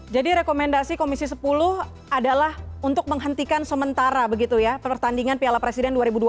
jadi rekomendasi komisi sepuluh adalah untuk menghentikan sementara pertandingan piala presiden dua ribu dua puluh dua